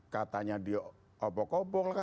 katanya dia obok obok